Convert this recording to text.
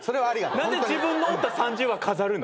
何で自分の折った３０羽飾るの？